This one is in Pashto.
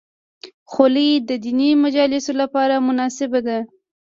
خولۍ د دیني مجالسو لپاره مناسبه ده.